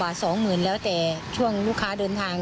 ๒๐๐๐๐บาทแล้วแต่ช่วงลูกค้าเดินทาง